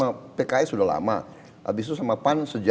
anies baswedan ada saints denger